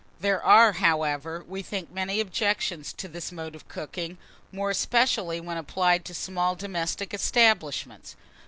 THERE ARE, HOWEVER, WE THINK, MANY OBJECTIONS to this mode of cooking, more especially when applied to small domestic establishments.